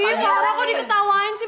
gimana kok diketawain sih